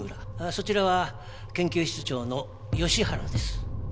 そちらは研究室長の吉原です。